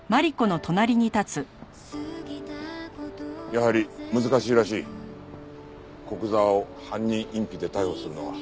やはり難しいらしい古久沢を犯人隠避で逮捕するのは。